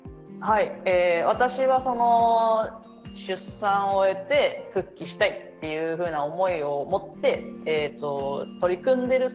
私は出産終えて復帰したいっていうふうな思いを持って取り組んでる